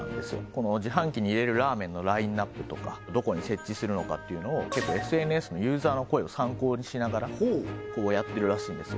この自販機に入れるラーメンのラインナップとかどこに設置するのかっていうのをＳＮＳのユーザーの声を参考にしながらこうやってるらしいんですよ